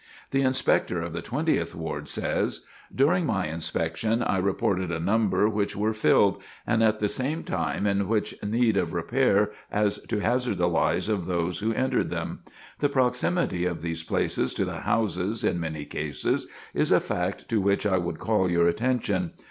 The Inspector of the Twentieth Ward says: "During my inspection I reported a number which were filled, and at the same time in such need of repair as to hazard the lives of those who entered them. The proximity of these places to the houses in many cases is a fact to which I would call your attention.